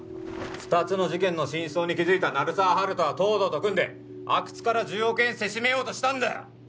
二つの事件の真相に気づいた鳴沢温人は東堂と組んで阿久津から１０億円せしめようとしたんだよ！